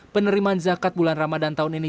penerimaan zakat bulan ramadan tahun ini